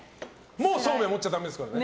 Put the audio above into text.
もうそうめん持っちゃだめですからね。